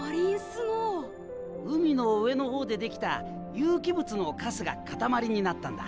海の上の方でできた有機物のカスが塊になったんだ。